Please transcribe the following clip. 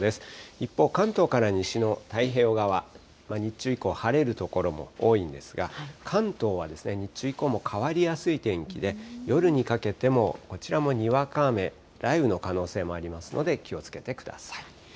一方、関東から西の太平洋側、日中以降、晴れる所も多いんですが、関東は日中以降も変わりやすい天気で、夜にかけてもこちらもにわか雨、雷雨の可能性もありますので、気をつけてください。